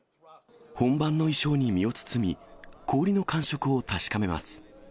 本番の衣装に身を包み、氷の感触を確かめます。